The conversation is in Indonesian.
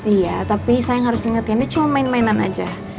iya tapi sayang harus ingat ya ini cuma main mainan aja